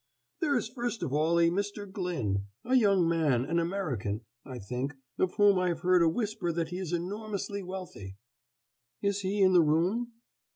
"There is first of all a Mr. Glyn a young man, an American, I think, of whom I have heard a whisper that he is enormously wealthy." "Is he in the room?"